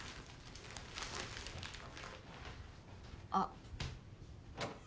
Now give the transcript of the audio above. あっ。